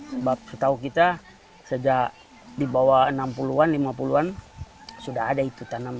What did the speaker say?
sebab setahu kita sejak di bawah enam puluh an lima puluh an sudah ada itu tanam